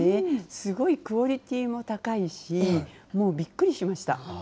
すごいクオリティーも高いし、もうびっくりしました。